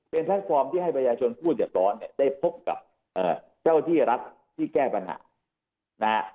เป็นแพลตฟอร์มที่ให้ประญาชนผู้หยัดล้อได้พบกับเจ้าที่รักที่แก้ปัญหา